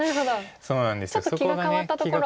ちょっと気が変わったところありますか。